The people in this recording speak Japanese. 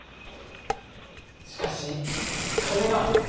しかし金が。